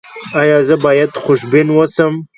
ایا زه باید خوشبین اوسم؟